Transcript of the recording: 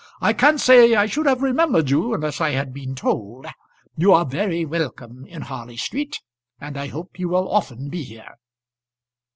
I can't say I should have remembered you unless I had been told. You are very welcome in Harley Street, and I hope you will often be here."